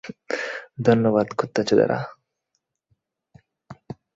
ধন্যবাদ, কুত্তাচোদারা।